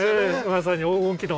まさに黄金期の。